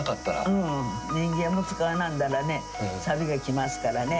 うん、人間も使わなんだらね、さびがきますからね。